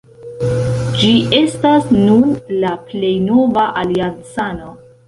Ĝi estas nun la plej nova aliancano.